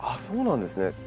そうなんですね。